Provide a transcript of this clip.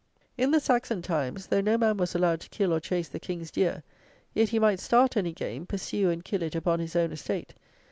In the Saxon times, though no man was allowed to kill or chase the King's deer, yet he might start any game, pursue and kill it upon his own estate.